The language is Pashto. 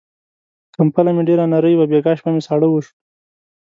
کمپله مې ډېره نری وه، بيګاه شپه مې ساړه وشو.